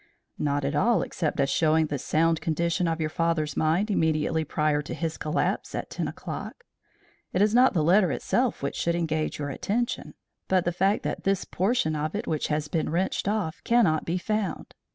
"Not at all, except as showing the sound condition of your father's mind immediately prior to his collapse at ten o'clock. It is not the letter itself which should engage your attention, but the fact that this portion of it which has been wrenched off cannot be found.